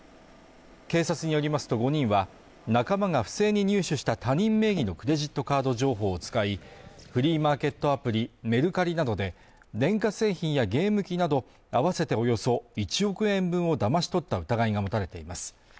警察によりますと５人は、仲間が不正に入手した他人名義のクレジットカード情報を使いフリーマーケットアプリメルカリなどで電化製品やゲーム機など合わせておよそ１億円分をだまし取った疑いが持たれています。